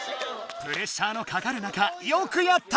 プレッシャーのかかる中よくやったベニオ！